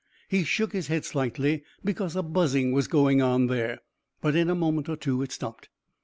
He shook his head slightly, because a buzzing was going on there, but in a moment or two it stopped.